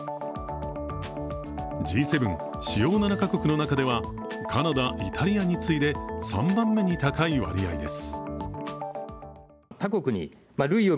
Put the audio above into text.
Ｇ７＝主要７か国の中ではカナダ、イタリアに次いで３番目に高い割合です。